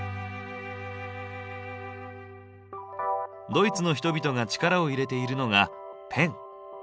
ドイツの人々が力を入れているのがペン。